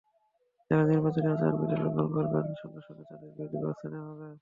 যারাই নির্বাচনী আচরণবিধি লঙ্ঘন করবেন সঙ্গে সঙ্গে তাঁদের বিরুদ্ধে ব্যবস্থা নেওয়া হবে।